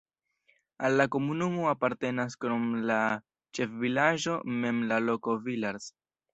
Al la komunumo apartenas krom la ĉefvilaĝo mem la loko Villars.